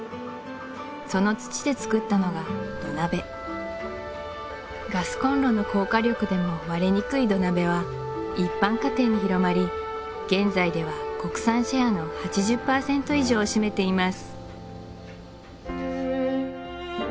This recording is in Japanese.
その土で作ったのが土鍋ガスコンロの高火力でも割れにくい土鍋は一般家庭に広まり現在では国産シェアの８０％以上を占めています